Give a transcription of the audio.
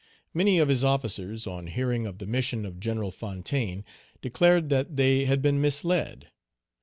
Many of his officers, on hearing of the mission of General Fontaine, declared that they had been misled.